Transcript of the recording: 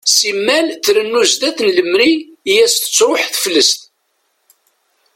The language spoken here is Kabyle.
Simmal trennu sdat n lemri i as-tettruḥ teflest.